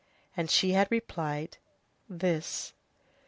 And she had replied: "This."